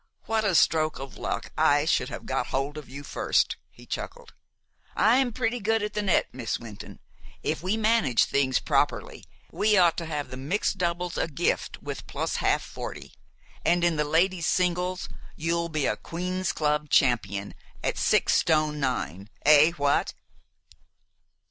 what a stroke of luck I should have got hold of you first!" he chuckled. "I'm pretty good at the net, Miss Wynton. If we manage things properly, we ought to have the mixed doubles a gift with plus half forty, an' in the ladies' singles you'll be a Queen's Club champion at six stone nine Eh, what?"